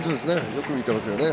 よく見てますよね。